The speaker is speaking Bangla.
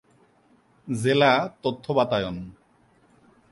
জেলা তথ্য বাতায়ন